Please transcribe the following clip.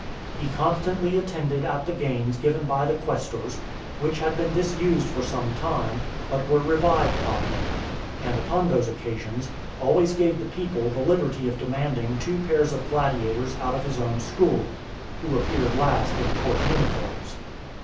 He constantly attended at the games given by the quaestors, which had been disused for some time, but were revived by him; and upon those occasions, always gave the people the liberty of demanding two pair of gladiators out of his own school, who appeared last in court uniforms.